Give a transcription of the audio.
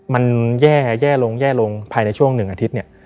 มันแย่ลงแย่ลงภายในช่วง๑อาทิตย์เนี่ย